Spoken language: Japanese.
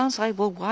はい。